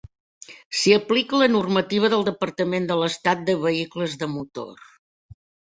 S'hi aplica la normativa del Departament de l'Estat de vehicles de motor.